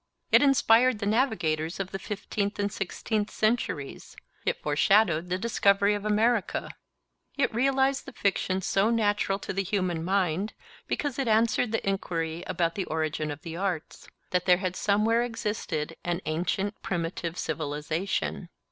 It inspired the navigators of the fifteenth and sixteenth centuries; it foreshadowed the discovery of America. It realized the fiction so natural to the human mind, because it answered the enquiry about the origin of the arts, that there had somewhere existed an ancient primitive civilization.